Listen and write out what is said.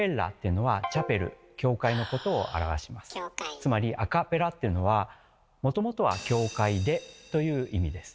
つまり「アカペラ」っていうのはもともとは「教会で」という意味です。